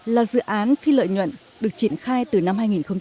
là dự án phi lợi nhuận được triển khai từ năm hai nghìn một mươi